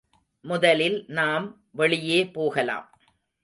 முதலில் நாம் வெளியே போகலாம்.